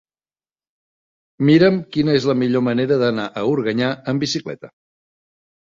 Mira'm quina és la millor manera d'anar a Organyà amb bicicleta.